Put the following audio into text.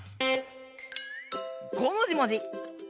「ごもじもじ」。